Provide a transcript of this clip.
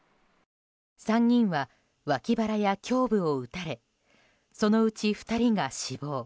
３人は、脇腹や胸部を撃たれそのうち２人が死亡。